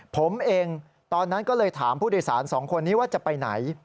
ผมเองตอนนั้นก็เลยถามผู้โดยสาร๒คนนี้ว่าจะไปไหน